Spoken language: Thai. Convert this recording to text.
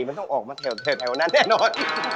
พี่พี่เห็ดแถวนั้นแน่นอน